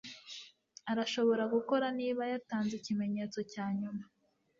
arashobora gukora niba yatanze ikimenyetso cyanyuma